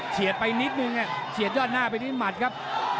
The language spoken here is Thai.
เฉียดไปนิดนึงเฉียดยอดหน้าไปนิดนึงมันครับ